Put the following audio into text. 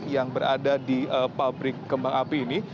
yang berada di pabrik kembang api ini